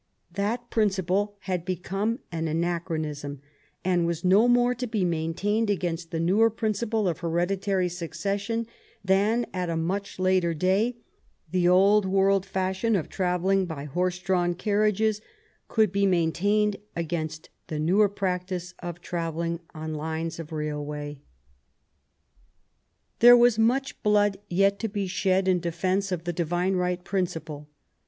That principle had become an anachronism, and was no more to be maintained against the newer principle of hereditary succession than, at a much later day, the old world fashion of travelling by horse drawn coaches could be maintained against the newer practice of travelling on lines of railway. 23 THE REIGN OF QUEEN ANNE There was much blood yet to be shed in defence of the divine right principle!